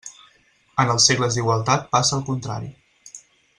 En els segles d'igualtat passa el contrari.